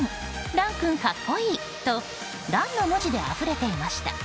藍君格好いい！と「らん」の文字であふれていました。